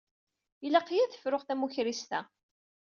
Yelaq-iyi ad fruƔ tamukrist-a.